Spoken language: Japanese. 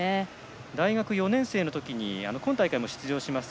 大学４年生のとき今大会も出場します